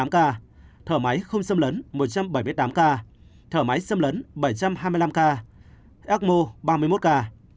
bảy trăm chín mươi tám ca thở máy không xâm lấn một trăm bảy mươi tám ca thở máy xâm lấn bảy trăm hai mươi năm ca ecmo ba mươi một ca